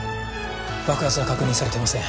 爆発は確認されていません